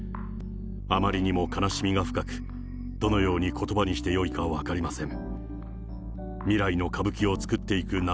あまりにも悲しみが深く、どのようにことばにしてよいか分かりません。